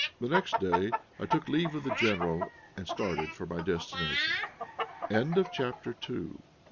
The next day I took leave of the General, and started for my destination. CHAPTER III.